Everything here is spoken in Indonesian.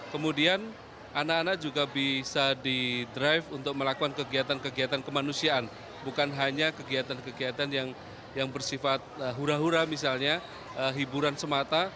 kemudian anak anak juga bisa di drive untuk melakukan kegiatan kegiatan kemanusiaan bukan hanya kegiatan kegiatan yang bersifat hura hura misalnya hiburan semata